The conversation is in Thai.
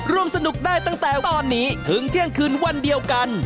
ร่วมสนุกได้ตั้งแต่ตอนนี้ถึงเที่ยงคืนวันเดียวกัน